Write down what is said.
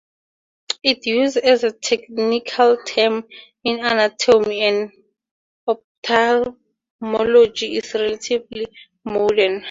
Its use as a technical term in anatomy and ophthalmology is relatively modern.